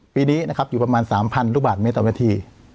ปีนี้นะครับอยู่ประมาณสามพันลูกบาทเมตรต่อวิทยาที